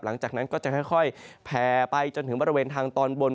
หลังจากนั้นก็จะค่อยแผ่ไปจนถึงบริเวณทางตอนบน